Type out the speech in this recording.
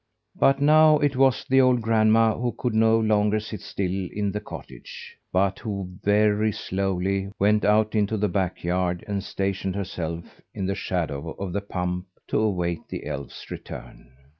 But now it was the old grandma who could no longer sit still in the cottage; but who, very slowly, went out to the back yard and stationed herself in the shadow of the pump to await the elf's return.